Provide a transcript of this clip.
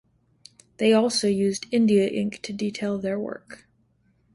They also used India Ink to detail their work.